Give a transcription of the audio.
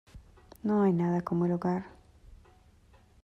No hay nada como el hogar.